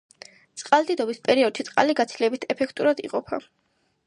წყალდიდობის პერიოდში წყალი გაცილებით ეფექტურად იყოფა.